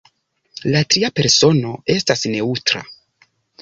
La tria persono estas neŭtra.